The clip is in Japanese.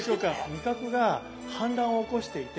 味覚が反乱を起こしていて。